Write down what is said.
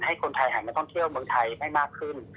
และกระตุ้นการให้คนไทยมาท่องเที่ยวเมืองไทยให้มากขึ้น